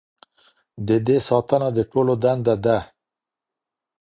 د دې ساتنه د ټولو دنده ده.